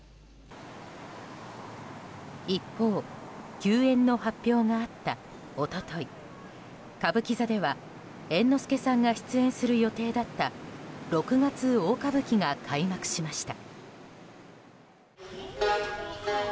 一方、休演の発表があった一昨日歌舞伎座では猿之助さんが出演する予定だった「六月大歌舞伎」が開幕しました。